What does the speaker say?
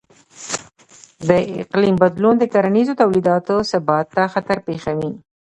د اقلیم بدلون د کرنیزو تولیداتو ثبات ته خطر پېښوي.